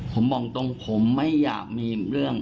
ผมบอกตรงผมไม่อยากมีเรื่อง